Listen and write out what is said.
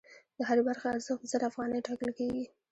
د هرې برخې ارزښت زر افغانۍ ټاکل کېږي